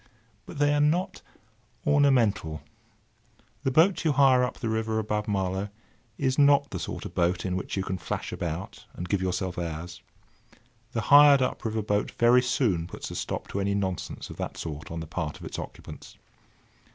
But they are not ornamental. The boat you hire up the river above Marlow is not the sort of boat in which you can flash about and give yourself airs. The hired up river boat very soon puts a stop to any nonsense of that sort on the part of its occupants.